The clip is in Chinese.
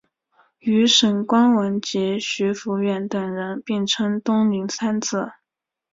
与沈光文及徐孚远等人并称东宁三子。